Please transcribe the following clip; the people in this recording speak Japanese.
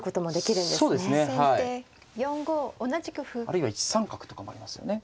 あるいは１三角とかもありますよね。